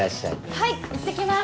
はいいってきます！